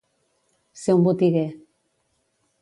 Ser un botiguer.